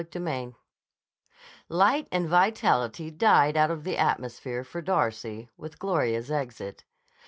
CHAPTER II LIGHT and vitality died out of the atmosphere for Darcy, with Gloria's exit.